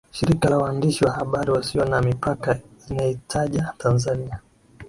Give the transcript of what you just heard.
Shirika la waandishi wa habari wasio na mipaka linaitaja Tanzania